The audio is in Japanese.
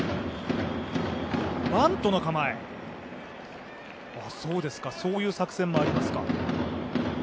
バントの構え、そういう作戦もありますか。